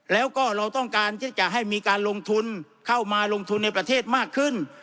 แล้วก็เราต้องการที่จะให้มีการลงทุนเข้ามาลงทุนในประเทศมากขึ้น